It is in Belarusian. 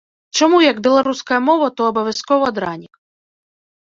Чаму як беларуская мова, то абавязкова дранік?